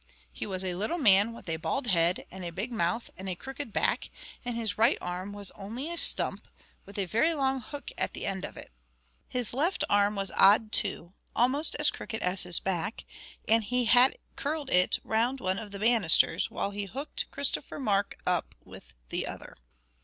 He was a little man with a bald head and a big mouth and a crooked back; and his right arm was only a stump, with a very long hook at the end of it. His left arm was odd too, almost as crooked as his back, and he had curled it round one of the banisters, while he hooked Christopher Mark up with the other.